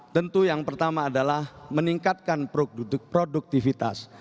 tentu yang pertama adalah meningkatkan produktivitas